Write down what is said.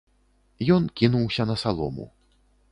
Ён кінуўся на салому.